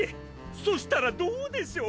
そしたらどうでしょう！